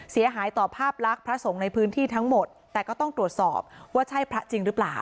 เสียหายต่อภาพลักษณ์พระสงฆ์ในพื้นที่ทั้งหมดแต่ก็ต้องตรวจสอบว่าใช่พระจริงหรือเปล่า